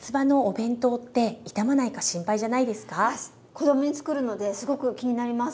子供につくるのですごく気になります。